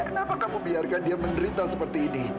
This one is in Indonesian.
kenapa kamu biarkan dia menderita seperti ini